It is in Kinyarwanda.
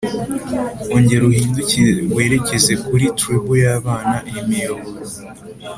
ongera uhindukire werekeza kuri treble y'abana, imiyoboro